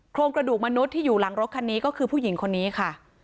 โครงกระดูกมนุษย์ที่อยู่หลังรถคันนี้ก็คือผู้หญิงคนนี้ค่ะ